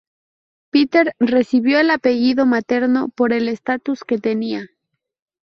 Peter recibió el apellido materno por el estatus que tenía.